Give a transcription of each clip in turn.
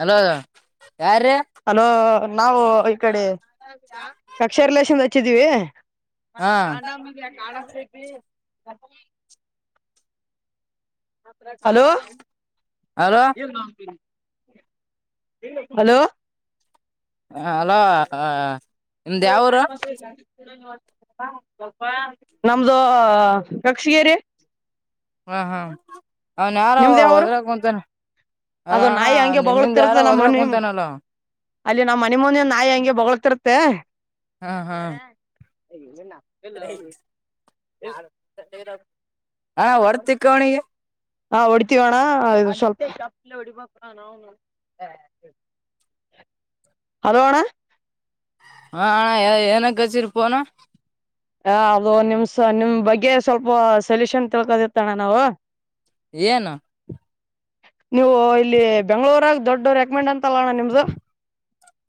Hello ಯಾರ್ರೀ hello ನಾವು ಈ ಕಡೆ ಕಕ್ಷಾ ರಿಲಷನ್ ಹಚ್ಚಿದೀವಿ ಹಾ ಮತ್ರ ಕಾ ಕ ಹ್ಮ್ಮ್ ಹ್ಮ್ಮ್. ಹಲೋ ಹಲೋ ಹಲೋ ಹ ಅಲೋ ಹ ನೀ ಗಾ ಮಾತ್ರ [unintelligible] ಸ್ಪ ನಮ್ದು ಕಕ್ಷಿಗೇರಿ ಹಾ ಹಾ ಹನ್ ಯಾರ ಯಾವರು ಒದ್ರಕ್ ಕುತೇನೆ ಅಲ್ಲ ಅದು ಅಣ್ಣ ನಾಯಿ ಹಂಗೆ ನಿಮ್ಮಿಂದ ಯಾರ ಬೊಗಳತಿರುತ್ತೆ ನಮ್ಮ ಒದ್ರಕ್ ಮನಿ ಕುಂತಾನಲ್ಲ ಅಲ್ಲಿ ನಾವ್ ಮನೆಿ ಮನನ್ ನಾಯಿ ಹಂಗೆ ಬಗಳತಿರತ್ತೆ ಹಾ ಹಾ ಹೇಗ ನಿನ್ನ [inaudible] [unintelligible] ಹಾ ಹೊರ್ತಿಕ್ಕವಣಿಗೆ ಹ ಹೊಡೆತೀವಣ್ಣ [unintelligible] ಹಣ ನ ಗಚರ್ ಪನ ಹ ಅದು ನಿಮ್ಸ ನಿಮ್ ಬಗ್ಗೆ ಸ್ವಲ್ಪ ಸೊಲ್ಯೂಷನ್ ತಿಳ್ಕೋದಿರ್ತ್ತಣ್ಣ ನಾವು ಏನು ನೀವು ಇಲ್ಲಿ ಬೆಂಗ್ಗಳೂರಾಗ ದೊಡ್ಡ ರೆಕಮೆಂಡ್ ಅಂತಲ್ಲಣ್ಣ ನಿಮ್ದು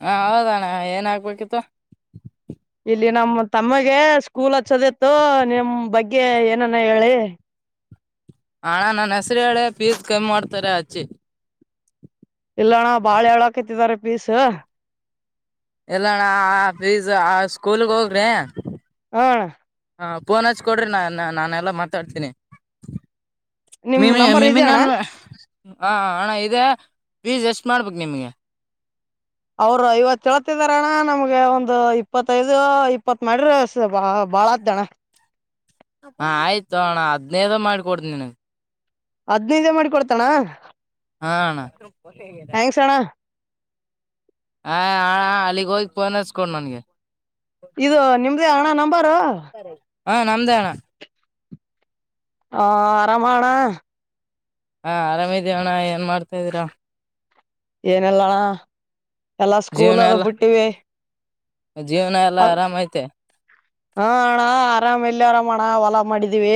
ಹಾ ಹೌದಣ್ಣ ಏನ್ ಆಯ್ಕ್ಬೇಕಿತ್ತು ಇಲ್ಲಿ ನಮ್ಮ್ ತಮ್ಮಗೆ ಸ್ಕೂಲ್ ಹಚ್ಚೋದಿತ್ತು ನಿಮ್ ಬಗ್ಗೆ ಏನನ್ನ ಹೇಳಿ ಹಣ ನನ್ ಹೆಸರು ಹೇಳಳೆ ಪೀಸ್ ಕಮ್ಮಿ ಮಾಡ್ತಾರೆ ಹಚ್ಚಿ ಇಲ್ಲ ಅಣ್ಣ ಬಾಳ ಹ ಹೇಳಳ್ ಹಾಕತ್ತಿದ್ದಾರೆ ಪೀಸ ಎಲ್ಲಣ ಆ ಫೀಸ್ ಆ ಸ್ಕೂಲ್ಗ್ ಹೋಗ್ರಿ ಹಾ ಹಾ ಫೋನ್ ಹಚ್ಕೊಡ್ರಿ ನಾ ನಾನೆಲ್ಲ ಮಾತಾಡ್ತೀನಿ ನಿಮ್ ನಂಬರ್ [unintelligible] ಇದೆ ಅಣ್ಣ ನಾನು ಹಾ ಹಣ ಇದೆ ಫೀಸ್ ಎಷ್ಟ ಮಾಡ್ಬೇಕು ನಿಮ್ಗೆ ಅವರು ಐವತ್ತುಳತಿದಾರಣ್ಣ ನಮ್ಗೆ ಒಂದು ಇಪ್ಪತ್ತೈದು ಇಪ್ಪತ್ ಮಾಡ್ರ ಬಾ ಭಾಳ ಅದ ಅಣ್ಣ ಹಾ ಆಯ್ತು ಹಣ ಹದ್ನೈದ ಮಾಡಿ ಕೊಡ್ತನಿ ನಿನಗ್ ಹದ್ನೈದೇ ಮಾಡಿ ಕೊಡ್ತಾನ ಹಾ ಅಣ ಒಳ್ಳಗೆ [inaudible] ಹ ಹ ಅಲ್ಲಿಗ್ ಹೋಗಿ ಪನಸ್ಕೊಂಡ ನನ್ಗೆ ಇದು ನಿಮ್ದೇ ಹಣ ನಂಬ ಹ ಹಾ ನಮ್ದೇಣ್ಣ ಹ ಆರಾಮಣ ಹಾ ಆರಾಮಿದೀಣ್ಣ ಏನ್ ಮಾಡ್ತಾ ಇದೀರಾ ಏನೆಲ್ಲಣ ಎಲ್ಲ ಸ್ಕೂಲ್ ಜೀವನ ಅದ ಎಲ್ಲ ಬಿಟ್ಟಿವಿ ಜೀವನ ಎಲ್ಲಾ ಅ ಆರಾಮ್ ಐತೆ ಹಾ ಆಣಾ ಆರಾಮಲ್ಲಿ ಆರಾಮ ಮಾಡೋಣ ಹೊಲಾ ಮಾಡಿದೀವಿ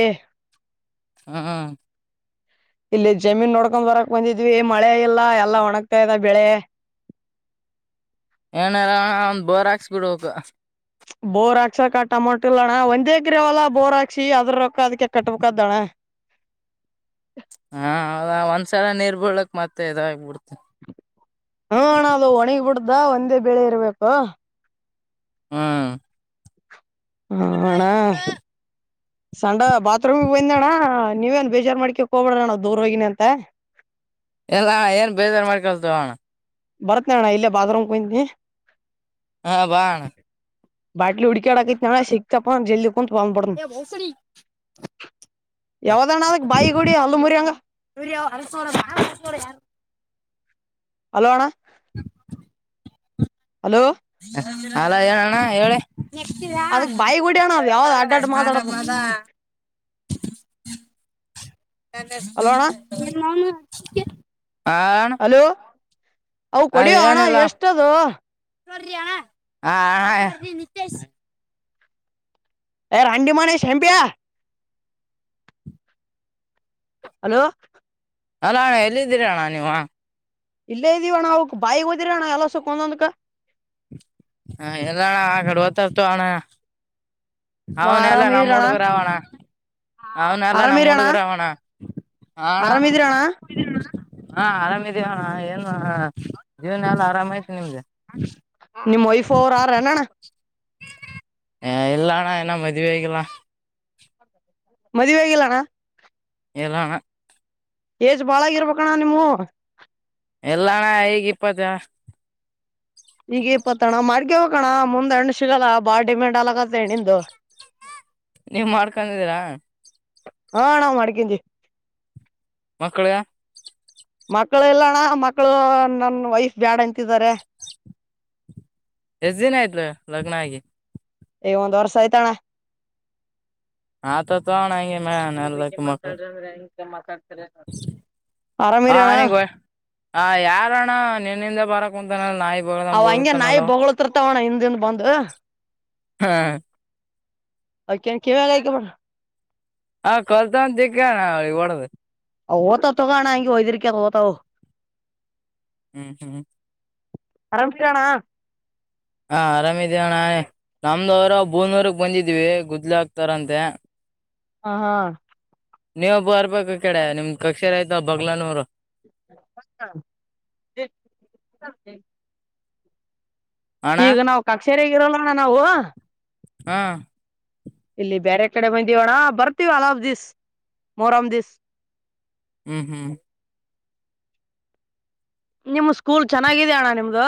ಹ್ಮ್ ಇಲ್ಲಿ ಜಮೀನ್ ನೋಡ್ಕೊಂಡ್ ಬರಕ್ ಬಂದಿದ್ವಿ ಮಳೆ ಇಲ್ಲ ಎಲ್ಲ ಒಣಗ್ತಾ ಇದಾವೆ ಬೆಳೆ ಎನ್ ಅಣ್ಣ ಒಂದ್ ಬೋರ್ ಹಾಕಿಸಿ ಬಿಡಬೇಕು ಬೋರ್ ಹಾಕ್ಸಕ ಅಮೌಂಟ್ ಇಲ್ಲಣ್ಣ ಒಂದೇ ಎಕರೆ ಹೊಲ ಬೋರ್ ಹಾಕ್ಸಿ ಅದ್ರ ರೊಕ್ಕ ಅದಕ್ಕೆ ಕಟ್ಬೇಕಾದಣ್ಣ ಹಾ ಹೌದ ಒಂದ್ಸಲ ನೀರು ಬೀಳಕ ಮತ್ತೆ ಇದಾಗ ಬಿಡ್ತು ಹಾ ಅಣ್ಣ ಅದು ಒಣಗ ಬಿಡ್ದ ಒಂದೇ ಬೆೇಳೆ ಇರ್ಬೇಕು ಆ ಆ... ಅಣ್ಣ ಸಂಡ ಬಾತ್ರೂಮ್ಗೆ ಬಂದಿದ್ದ ಅಣ್ಣ ನೀವೇಏನ್ ಬೇಜಾರ್ ಮಾಡಿಕೊಕೆ ಹೋಗಬೇಡ್ರ ಅಣ್ಣ ದೂರ ಹೋಗಿನಿ ಅಂಥ ಇಲ್ಲ ಏನ್ ಬೇಜಾರ ಮಾಡಿಕೊಳ್ಳಲಾ ತಗೋ ಅಣ್ಣ ಬರ್ತೀನಿ ಅಣ್ಣ ಇಲ್ಲೇ ಬಾತ್ರೂಮಲ್ಲಿ ಕುಂತಿನಿ ಹಾ ಬಾ ಅಣ್ಣ ಬಾಟ್ಲು ಹುಡುಕಾಡೋಕೆ ಆತ್ತಿನಿ ಅಣ್ಣ ಸಿಕ್ತಪ ಜಲ್ದಿ ಕುಂತ್ ಬಂದ್ಬಿಡ್ತನ ಹೇ ಬೋಸುಡಿ ಆ..... ಯಾವ್ದಣ್ಣ ಅದಕ್ ಬಾಯಿ ಗುಡಿ ಹಲ್ಲು ಮುರಿ ಹಂಗ ಸೂರ್ಯ ಅರಸಿ ನೋಡು ಅರಸ್ ನೋಡೋ ಯಾರ ಹಲೋ ಅಣ್ಣ ಹ... ಹಲೋ.... ಹಲೋ ಹೇಳಣ್ಣ ಹೇಳ ನೆಕ್ಸ್ಟ್ ಇದ ಅದಕ್ ಬಾಯಿ ಗುಡಿ ಅಣ್ಣ ಅದ್ ನದಾ ಯಾವ್ದ್ ಅಡ್ಡಾಡ್ ಮಾತಾಡದ ನಾನಮ್ಮದಾ ಲ.... ಹಲೋ ಅಣ್ಣ ನಿಮೌನು [unintelligible] ಹೇ....... ಆ... ಅಣ್ಣ ಅವುಕ್ಕೆ ಹೊಡೆಯೋ ಅಣ್ಣ ಎಷ್ಟು ಆದ ನೋಡ್ರಿ ಅಣ್ಣ.. ಆ ಅಣ್ಣ...... ನಿತೇಶ್ ಹೇ ರಂಡಿಮನೆ ಶೆಂಪಿಯ ಹಲೋ.. ಹಲೋ ಅಣ್ಣ ಎಲ್ಲಿದ್ದೀರ ಅಣ್ಣ ನೀವ ಇಲ್ಲೇ ಇದೀವಣ್ಣ ಅವಕ್ ಬಾಯಗ್ ಹೋದಿರ ಅಣ್ಣ ಎಲ್ಲದೂಕು ಒಂದೊಂದುಕೆ ಹ... ಹೇಳ ಅಣ್ಣ ಆ ಕಡೆ ಹೊತ್ತೂ ಅತ್ತು ಅಣ್ಣ ಅವನಲ್ಲ ಆರಾಮ ನಮ್ಮ ಇದ್ರಣ್ಣ ಹುಡುಗರುಅವಣ ಅವನ ಎಲ್ಲ ನಮ್ಮ ಆರಾಮಿರಣ್ಣ ಡುಗರ ಅವಣ ಅಣ್ಣ ಆರಾಮಿದ್ರಣ್ಣ ಹಾ ಆರಾಮ ಇದ್ದಿವಿ ಅಣ್ಣ ಏನು ಜೀವನ ಎಲ್ಲ ಆರಾಮ್ ಈತ ನಿಮ್ದು ಫೋರ್ ಆರ್ ಎನ್ ಅಣ್ಣ ಹೇ ಇಲ್ಲ ಅಣ್ಣ ಇನ್ನ ಮದುವೆ ಆಗಿಲ್ಲ ಮದುವೆ ಆಗಿಲ ಅಣ್ಣ ಇಲ್ಲ ಅಣ್ಣ ಏಜ್ ಬಾಳಾಗಿರ್ಬೇಕಣ್ಣ ನಿಮವು ಎಲ್ಲಣ್ಣ ಈಗ ಇಪ್ಪತ್ತ ಈಗ ಇಪ್ಪತ್ತಣ್ಣ ಮಾಡಕ ಹಕಣ ಮುಂದ್ ಎಣ್ಣ ಸಿಗಲ್ಲ ಬಾಳ ಡಿಮ್ಯಾಂಡ್ ಅಲಕತ್ತ್ಣಂದು ನೀವ್ ಮಾಡ್ಕೊಂಡಿದ್ದೀರಾ ಹಾ ಅಣ್ಣ ಮಾಡ್ಕಿದ್ದಿ ಮಕ್ಕಳೆಯ ಮಕ್ಕಳು ಎಲ್ಲಣ್ಣ ಮಕ್ಕಳು ನನ್ ವೈಫ್ ಬ್ಯಾಡ ಅಂತಿದಿದ್ದಾರೆ ಎಷ್ಟ್ ದಿನ ಆಯ್ತ್ಲ ಲಗ್ನ ಆಗಿ ಏ ಒಂದ್ ವರ್ಷ ಆಯ್ತಣ್ಣ ಹಾ ಆಗೆ ಮ [unintelligible] ನರ ತ ಮಕ್ಕಳ ದೆ ಮಾತಾಡ್ ಹನಗ ಹ ಯಾರಣ್ಣ ನಿನ್ನಿಂದ ಬರ ಹ್ಮ್ಮ್. [unintelligible] ಅವ ಹಗೆ ನಾಯಿ ಬೋಗ್ಳ್ತಿರ್ತವಣ್ಣ ಹಿಂದಿಂದ ಬಂದು್ ಹಾ ಅಕ ಕೆವ ಲಗ ಹ ಹಾ ಕಲ್ತಂತಕ್ಕಣ ತಿಕನ ಅವನ್ಗೆ ಒಡ್ದು ಓತೊತ್ತುಾಣಾಂಗಗೆ ಹಯದರಿಕ ಓತ ಅವು ಹ್ಮ್ ಹ್ಮ್ ಆರಾಮ್ಸರೆ ಅಣ್ಣ ಹಾ ಆರಾಮಿದೇವಣ ನ ಒಂದ ಅವರ ಬೂನೂರ್ಗ್ ಬಂದಿದ್ವಿ ಗುದ್ಲು ಹಾಕ್ತಾರಂತೆ ಹ ಹಾ ನೀವು ಬರ್ಬೇಕಾಗ ಕಡೆ ನಿಮ್ ಕಕ್ಷೆರ ಆಯ್ ಬಗ್ಲಾನೂರು ಈಗ ನಾವು ಕಾ ಸೇಗರೋ [unintelligible] ಣ ನಾವು ಹಾ ಇಲ್ಲಿ ಬೇರೆ ಕಡೆ ಬಂದೀಿವಣ ಬರ್ತೀವ ಹಲವ ದಿಸ್ ಮೂರಾಮ ದಿವಸ. ಹ್ಮ್ ಹ್ಮ್ ನಿಮ್ಮ ಸ್ಕೂಲ್ ಚೆನ್ನಾಗಿದ ಅಣ್ಣ ನಿಮ್ದು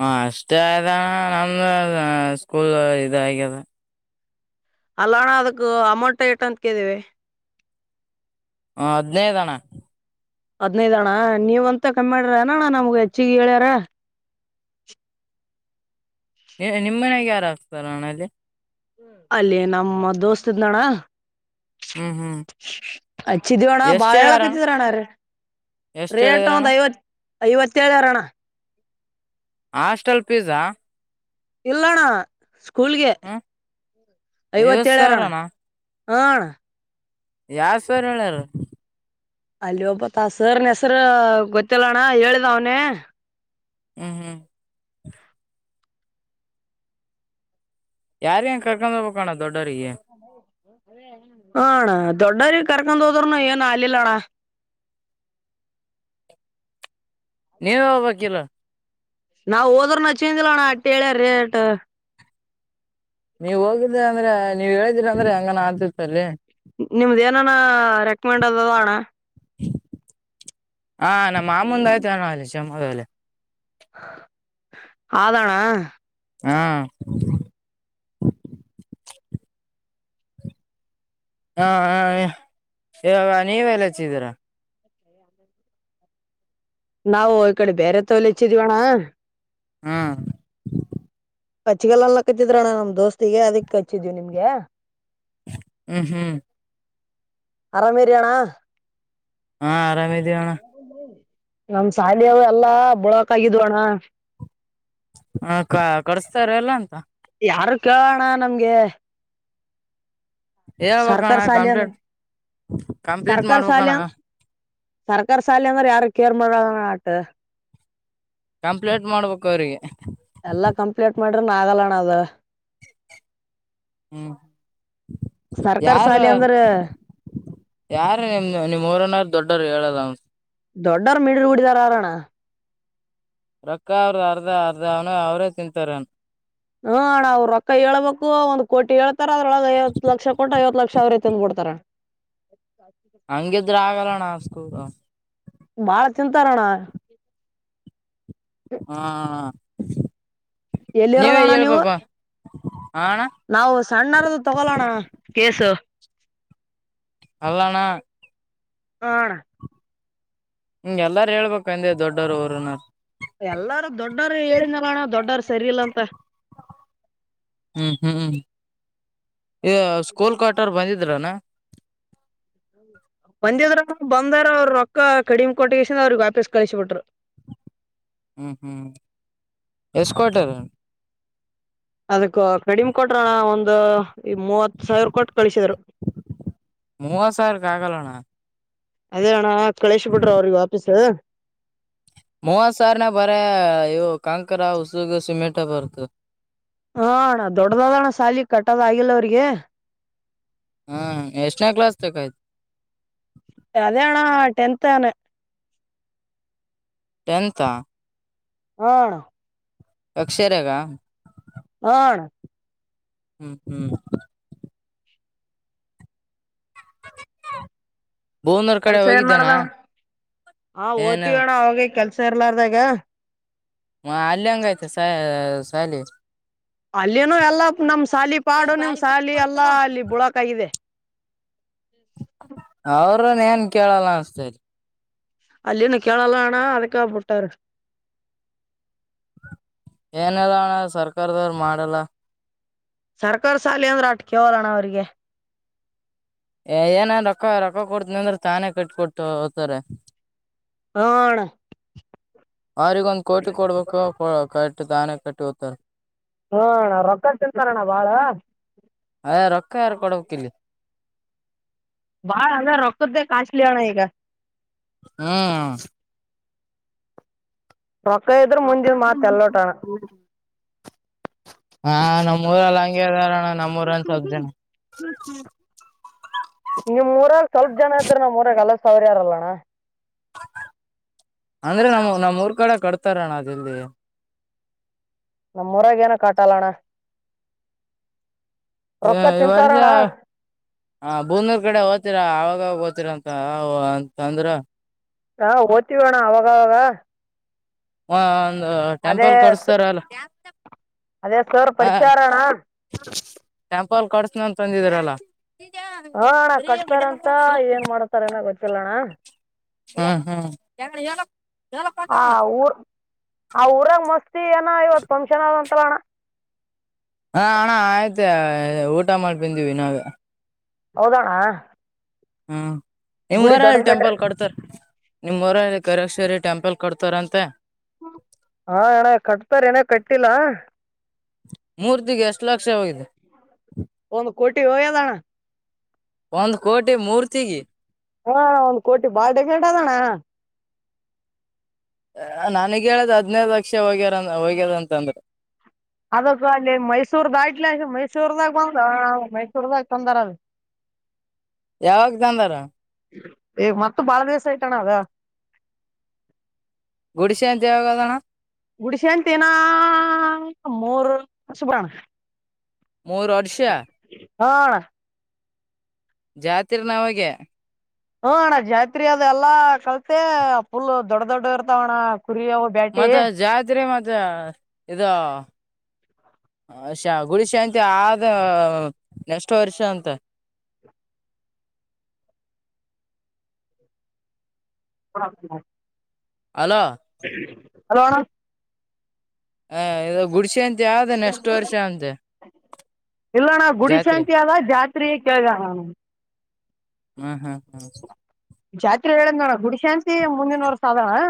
ಹ ಅಷ್ಟೇ ಆಯಣ ನಮ್ದ ಸ್ಕೂಲ್ ಇದ ಆಗ್ಯದ ಅಲ್ಲ ಅಣ್ಣ ಅದಕ್ಕ ಅಮೌಂಟ್ ಏಟ ಅಂತ ಕಿದೀವಿ ಹ ಹದಿನೈದಣ ಹದ್ನೈದ ಅಣ್ಣ ನೀವ್ ಅಂತ ಕಮ್ಮಿ ಮಾಡ್ರ ಅನಣ್ಣ ನಮ್ಗ ಹೆಚ್ಚಿಿಗೆ ಹೇಳ್ಯಾರ ನಿಮ್ಮ ಮನ್ಯಾಗ ಯಾರುಾಗಕ್ತಾರ ನಣಲ್ಲಿ ಅಲ್ಲಿೇ ನಮ್ಮ ದೋಸ್ತ್ ಇದ್ದಣ ಹ್ಮ್ ಹ್ಮ್ ಅಚ್ಚಿ ದವಣ ಎಷ್ಟ್ ಬಳಳ ಹೇಳ್ಯಾರಣ ಕಚ ರ [unintelligible] ನ ಎಷ್ಟ್ ರೇಟ ಹೇಳಿದ್ರಣ್ಣ ಒದಐವತ್ತು ಐವತ್ತೇಳಳರಣ ಹಾಸ್ಟೆಲ್ ಫಿಸ್ಸಾ ಇಲ್ಲಣ್ಣ ಸ್ಕೂಲ್ಗೆ ಹ್ಮ್ ಐವತ್ ಐವತ್ತೇಳರಣ್ಣ ಸಾವಿರಣ ಆ ಅಣ್ಣ ಯಾವ ಸರ್ ಹೇಳಾರ್ ಅಲ್ಲಿ ಒಬ್ಬತ್ತ ಸರ್ ನ ಹೆಸರು ಗೊತ್ತಿಲ್ಲಣ್ಣ ಹೇಳಿದ್ ಅವನೇ ಹ್ಮ್ ಹ್ಮ್ ಯಾರ ಕರ್ಕೊಂಡ್ ಹೋಗ್ಬೇಕೋಣ್ಣ ದೊಡ್ ಡರಿ ಯೇ ಹಣ ದೊಡ್ಡ ಕರಕನ್ ತೋದರ್ನ ಅಯ್ಯ ನಾಲಿಲ್ಲಣಾ ನೀವ ಹೋಗ್ಬೇಕಿಲ್ಲ ನಾವವು ಹೋದ್ರ ನ ಚಿಂದಿಲ್ಲಣ್ಣ ಅಟ್ಟಿ ಹೇಳ್ಯ ರೇಟ್ ನೀವ್ ಹೋಗಿದ್ದ ಅಂದ್ರೆ ನೀವ್ ಹೇಳಿದಿರ ಅಂದ್ರೆ ಹಂಗ ಅ ಚಲ ನಿಮ್ದ ಏನಾನ ರೆಕಮೆಂಡ್ ಅದ ಅಣ್ಣ ಹಾ ನಮ್ಮ ಮಾಮಂದ ಆಯ್ತ್ ಚಮ್ಮಾಗಲೆ ಆದದಾನ ಹಾ ಹಾ ಹ ನೀವೆಲ್ಲಚ್ಚಿದೀರಾ ನಾವು ಈ ಕಡೆ ಬೇರೆ ತವಲಿ ಇಚ್ಚಿದೀವಣ್ಣ ಹಾ ಕಚ್ಚಗಲ್ಲ ಎಲ್ಲ ಕಚ್ಚಿದ್ರಣ್ಣ ನಮ್ ದೋಸ್ತಿಗೆ ಅದಕ್ ಕಚ್ಚಿದ್ವಿ ನಿಮ್ಗೆ ಹ್ಮ್ ಹ್ಮ್ ಅರಾಮೇರಿಯಣಾ ಹಾ ಆರಾಮ ಅಣ ನಮ ಶಾಲಿ ಎಲ್ಲಾ ಬಳಕ ಆಗಿದ್ವ ಅಣ್ಣ ಹ ಕ ಕಡಸ್ತಾರ ಎಲ್ಲ ಅಂತ ಯಾರು ಕೇಳಲ ನಮ್ಗೆ ಹೇಳ್ಬೇಕಣ ಸರ್ಕಾರ ಸಾಲಿ ಕಂಪ್ಲೀಟ್ ಅಂದ್ರ ಕಂಪ್ಲೀಟ್ ಮಾಡ್ಬೇಕಣ ಸರ್ಕಾರಿ ಶಾಲಿ ಅಂದ್ರೆ ಯಾರ ಕೇರ್ ಮಾಡ ಆಟ್ ಕಂಪ್ಲೇಂಟ್ ಮಾಡ್ಬೇಕು ಅವ್ರಿಗೆ ಎಲ್ಲಾ ಕಂಪ್ಲೀಟ್ ಮಾಡ್ರಿ ನ ಆಾಗಲಣ ಅದ ಹ್ಮ್ ಸರ್ಕಾರ ಯಾರ ಶಾಲೆ ಅಂದ್ರ ಯಾರ ನಿಮ್ದ ನಿಮ್ ಊರನ ದೊಡ್ಡವರು ಹೇಳದನ್ ದೊಡ್ಡರ ಮಿಡರು ಹುಡಿದಾರ ಅರಣ ರಕ್ಕ ಅವ್ರ ಅರ್ಧ ಅರ್ಧ ಅವನು ಅವರೇ ತಿಂತರನು ಹ್ಮಣ ಅವ್ ರೊಕ್ಕ ಹೇಳ್ಬೇಕು ಒಂದ್ ಕೋಟಿ ಹಳ್ಾರ ಅದ್ರೊಳಗೆ ಐವತ್ತು ಲಕ್ಷ ಕೊಂಟು ಐವತ್ತು ಲಕ್ಷ ಅವ್ರೈ ತಿಂದ್ ಬುಡತರ್ ಹಂಗಿದ್ರ ಆಗಲ್ಲಣ್ಣ ಇಸ್ಕೂ ಬಾಳ ಚಿಂತಾರೋಣ ಹಾ ನೀವೇ ಎಲ್ಲಿರೋದಣ್ಣ ನೀವು ಹೇಳ್ಬೇಕು ಹಾ ಅಣ್ಣ ನಾವು ಸಣ್ಣಾರದು ತಗೊಳೋಣ ಕೇಸು ಅಲ್ಲಣ ಹ ಹಂಗಗೆ ಎಲ್ಲಾರ ಹೇಳ್ಬೇಕು ಅಂದೆ ದೊಡ್ಡೋರು ಅವರುನ ಎಲ್ಲಾರೂ ದೊಡ್ಡರು ಹೇಳಿದಲ್ಲ ಅಣ್ಣ ದೊಡ್ಡರು ಸರಿ ಇಲ್ಲ ಅಂತ ಹ್ಮ್ ಹ್ಮ್ ಹ್ಮ್ ಈ ಸ್ಕೂಲ್ ಕಟರ್ ಬಂದಿದ ಇದ್ರನಾ ಮಂದ್ಯದ್ರ ಬಂದಾರ ಅವ್ರರು ರೊಕ್ಕ ಕಡಿಮ್ ಕೊಟ್ಟಗಸ ಅವ್ರಗ್ ವಾಪೀಸ್ ಕಳಸ ಬಿಿಟರು ಹ್ಮ್ ಹ್ಮ್ ಎಷ್ಟಕಟಾರೆ ಅದಕ್ಕೆ ಕಡಿಮ್ ಕೊಟ್ರಣ ಒಂದು ಈ ಮೂವತ್ ಸಾವಿರ ಕೊಟ್ಟು ಕಳಿಸಿದರು ಮೂವತ್ ಸಾವಿರಕ್ ಆಗಲ್ಲಣ್ಣ ಅದಣ ಕಳೇಶ್ ಬಿಡ್ರರು ಅವ್ರಿಗೆ ವಾಪೀಸ್ ಮೂವತ್ ಸಾವಿರನ ಬರ ಇವು ಕಾಂಕರ ಉಸುಗ ಸಿಮೆಂಟ್ ಬರ್ತು ಹಣ್ಣ ದೊಡ್ಡ್ದದಣ್ಣ ಸಾಲಿ ಕಟ್ಟದ್ ಆಗಿಲ್ಲ ಅವ್ರಿಗೆ ಹಾ ಎಷ್ಟ್ರಾ ಕ್ಲಾಸ್ ತ ಆಯ್ತು ಅದೇಣಾ ಟೆಂತ್ ನೇ ಟೆಂತಾ ಹ ಅಕ್ಷರಾಗ ಹ ಹ್ಮ್ ಹ್ಮ್ ಭುವನೂರ್ ಕಡೆ ಕೆಲ್ಸ ಏನ್ ಹೋಗಿದ್ದಣ ಮಾಡ್ದ ಹ ಏನ ಓ್ತತಿ ವಿ ಅಣ ಅವಾಗ ಕೆಲ್ಸ ಸರ್ಲಾರ್ದಾಗ ಹ ಅಲ್ಲಿಂಗ ಯ್ತೆ ಸ ಶಾಲ ಅಲ್ಲಿನು ಎಲ್ಲಾ ನಮ್ ಸಾಲಿ ಪಾಡು ನಿಮ್ ಸಾಲಿ ಎಲ್ಲಾ ಅಲ್ಲಿ ಬುಳಕ ಇದೆ ಹ್ಮ್ ್ರ ಏನ್ ಕೇಳಲ್ಲ ಅನಸ್ತೈತಿ ಅಲ್ಲಿನ್ನು ಕೇೇಳಲ್ಲ ಆಣಾ ಅದಕ್ಕ ಬಿಟ್ಟರೆ ಏನಲ್ಲ ಅಣ್ಣ ಸರ್ಕಾರದವ್ರರು ಮಾಡಲ್ಲ ಸರ್ಕ ಸಾಲಿ ಅಂದ್ರೆ ಅಟ್ ಕವಲಣ್ಣ ಅವ್ರಿಗೆ ಏನ ರೊಕ್ಕ ರೊಕ್ಕ ಕೊಡ್ತನ ಅಂದ್ರೆ ತಾನೇ ಕಟ್ ಕೊೊಟ್ಟು ಹ್ತಾರ ಹಣ ಅವ್ರಗ ಒಂದ್ ಕೋಟಿ ಕೊಡ್ಬೇಕು ಕ ದಾನ ಕಟ್ಟಿ ಉತ್ತರ್ ಹಾಣ್ಣ ರೊಕ್ಕ ತಿಂತಾರಣ್ಣ ಬಾಳ ಅದೇ ರೊಕ್ಕ ಯಾರು ಕೊಡ್ಬೇಕ್ ಇಲ್ಲಿ ಬಾಳ ಅಲ್ಲ ರಕ್ಕತದೆ ಕಾಚಲಿಣ ಈಗ ಹ್ಮ್ ರೊಕ್ಕ ಇದ್ರ ಮುಂಜೆ ಮಾತಲ್ಲೋಟಣ ಹ ಹಗೆ ಅದಾರಣ ನಮ್ಮೂಊರ ಅಂತ ಸ ಜನ ಹ್ಮ ನಿಮ್ಮರಾಗ ಸ್ವಲ್ಪ ಜನ ಐತ್ರಿ ನಾ್ೂರಲಸ ಸಾವರ್ಯಾರಲ್ಲಣ್ಣ ಅಂದ್ರೆ ನಮ್ಮ ನಮ್ಮೂರ್ ಕಡೆ ಕಡ್ತಾರಣ ಅದೆಲ್ಲಿ ನಮ್ಮೂರಗೇಏನ ಕಾಟಲ್ಲಣ್ಣ ಈ ವರ್ಷ ಬೂಂದೂರ್ ಕಡೆ ಹ ತೀರ ಅವಾಗ ಓತೀರ ಅಂತ ಅಂತ ಅಂದ್ರ ಆ ಹೋಗ್ತಿಬ ಅವಾಗವಾಗ ಹಾ ಅದೇ ಟೆಂಪೆಲ್ ಕೊಡ್ಸ್ತಾರ್ ಅಲ್ಲ ಅದೇ ಸರ್ ಪರಿಚಯಾರ ಅಣ್ಣ ನನ್ ತಂದಿದರಲ್ಲ ಹಾ ಅಣ್ಣ ಕಟ್ತಾರಂತ ಏನ್ ಮಾಡ್ತಾರ ಏನ ಗೊತ್ತ ಚಲ್ಲೋಣ ಹ ಹ ಯ ಎಲ ಎಳ ಪತ ಆ ಮಾಡ ಊರ್ ಆ ಊರಾಗ ಮಸ್ತಿ ಏನ ಇವತ್ತು ಫಂಕ್ಷನ್ ನಂತರಣ್ಣ ಹಾ ಆಣಾ ಆಯತ ಊಟಮ್ಮಲ್ ಪ್ರಜಿ ವಿನಾಗ ಹೌದಣ ಹಾ ಎಮ ವರಲ್ ಟೆಂಪಲ್ ಕಡ್ತಾರೆ ನಿಮ್ವಊರಲ್ಲಿ ಕರೇಶ್ವರಿ ಟೆಂಪಲ್ ಕಡ್ತಾರಂತೆ ಹಾ ಅಣ್ಣ ಕಟ್ತಾರ ಏನ ಕಟ್ಟಿಲ್ಲ ಮೂರ್ತಿಿಗೆ ಎಷ್ಟು ಲಕ್ಷವೋಗಾಗಿದೆ ಒಂದು ಕಟ್ಟಿ ಹಯದಣ ಒಂದ್ ಕೋಟಿ ಮೂರ್ತಿಗೆಿ ಹಾ ಒಂದ್ ಕೋಟಿ ಬಾಳ್ ಲ್ಟ ಅದಣ್ಣ ನನಗ ಹೇಳ್ದ ಹದ್ನೈದು ಲಕ್ಷ ಹೋಗ್ಯಾರ ಹೋಗ್ಯದಂತಂದ್ರೆ ಅದಕ್ಕ ಅಲ್ಲಿ ಮೈಸೂರ್ದಾಟ್ಲ ಮೈಸೂರ್ದಾಗ ಬಂದ ಮೈಸೂರ್ದಾಗ ತಂದಾರದು ಯಾವಾಗ ತಂದಾರ ಏ್ ಮತ್ತ ಬಾಳ ದಿವಸ ಆಯಟಣ ಅದಾ ಗುಡಶೆ ದೇವಗೋದಣ ಗುಡಶೆಂತನಾ ಮೋರು ಶುಬಣ ಮೋರು ಅಡಿಶಾ ಹ ಜಾತಿರ್ ನವಾಗ ಹ್ಮ ಅಣ್ಣ ಜಾತ್ರಿ ಅದು ಎಲ್ಲಾ ಕಲ್ತೆ ಫುಲ್ ದೊಡ್ಡ ದೊಡ್ಡ ಇರ್ತಾವ ಅಣ್ಣ ಮತ್ತೆ ಜಾತ್ರೆ ಮತ್ತೆ ಇದು ಹಶಾ ಗುಡಿಶಾ ಅಂತ ಆದ ನೆಕ್ಸ್ಟ್ ವರ್ಷ ಅಂತ ಹಡ ಅಲೋ ಹ್ಮ ಹೆಲೋ ಅಣ್ಣ ಹಾ ಇ ಗುಡಶೆ ಇಲ್ಲಣ ಗುಡಿ ಜಾತ್ರೆ ಶಾಂತಿ ಅದ ಜಾತ್ರೆಯ ಕೇೇಳಗಣ ಹ್ಮ್ ಹ್ಮ್ ಹ್ಮ್ ಜಾತ್ರೆ ಹೇಳದ್ ನೋಡ ಗುಡಿ ಶಾಂತಿ ಮುಂದಿನ ವರ್ಷ ಅದಾನ